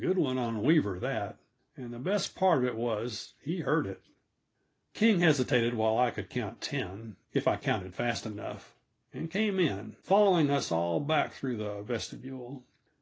(Good one on Weaver, that and, the best part of it was, he heard it.) King hesitated while I could count ten if I I counted fast enough and came in, following us all back through the vestibule.